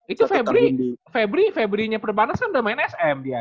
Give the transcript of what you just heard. itu febri febrinya perbanas kan udah main sm